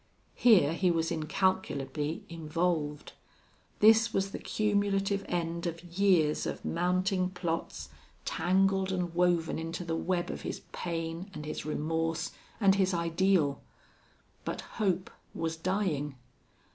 Here he was incalculably involved. This was the cumulative end of years of mounting plots, tangled and woven into the web of his pain and his remorse and his ideal. But hope was dying.